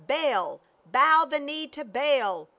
Baal ! Bow the knee to Baal